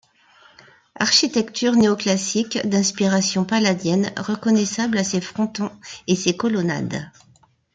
Architecture néo-classique d'inspiration palladienne reconnaissable à ses frontons et ses colonnades.